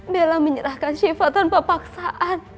bella menyerahkan sifat tanpa paksaan